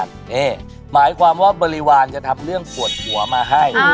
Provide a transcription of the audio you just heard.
เพราะบริวารจะทำเรื่องปวดหัวมาให้